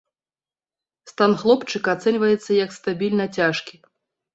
Стан хлопчыка ацэньваецца як стабільна цяжкі.